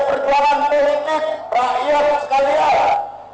perjuangan politik rakyat sekalian